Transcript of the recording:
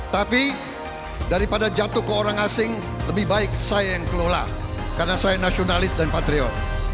tapi daripada jatuh ke orang asing lebih baik saya yang kelola karena saya nasionalis dan patriot